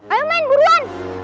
ayo men buruan